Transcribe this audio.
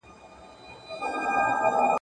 هره شېبه ولګېږي زر شمعي.